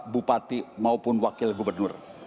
bupati maupun wakil gubernur